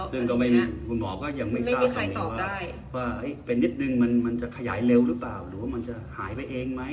ซึ่งคุณหมอก็ยังไม่ทราบคำนี้ว่าเป็นนิดนึงมันจะขยายเร็วหรือเปล่าหรือว่ามันจะหายไปเองไหม